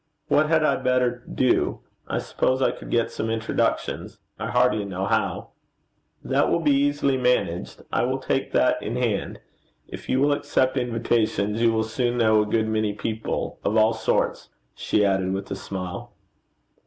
What had I better do? I suppose I could get some introductions. I hardly know how.' 'That will easily be managed. I will take that in hand. If you will accept invitations, you will soon know a good many people of all sorts,' she added with a smile.